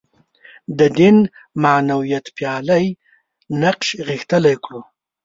د دین معنویتپالی نقش غښتلی کړو.